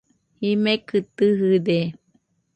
Jimekɨ tɨjɨde